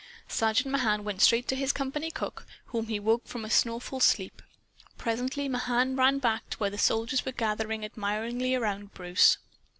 Sergeant Mahan went straight to his company cook, whom he woke from a snoreful sleep. Presently Mahan ran back to where the soldiers were gathered admiringly around Bruce.